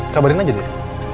kabarin aja deh